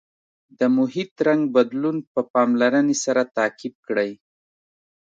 د محیط رنګ بدلون په پاملرنې سره تعقیب کړئ.